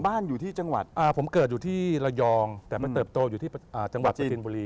อยู่ที่จังหวัดผมเกิดอยู่ที่ระยองแต่มันเติบโตอยู่ที่จังหวัดสุจินบุรี